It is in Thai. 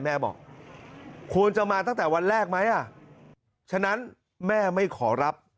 แม่บอกควรจะมาตั้งแต่วันแรกไหมอ่ะฉะนั้นแม่ไม่ขอรับ